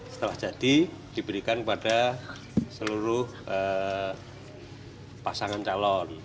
setelah jadi diberikan kepada seluruh pasangan calon